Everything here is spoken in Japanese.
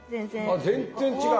あ全然違う。